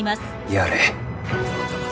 やれ。